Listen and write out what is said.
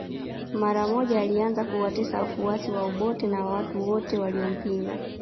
Mara moja alianza kuwatesa wafuasi wa Obote na watu wote waliompinga